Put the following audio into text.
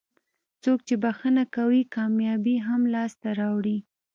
څوک چې بښنه کوي کامیابي هم لاسته راوړي.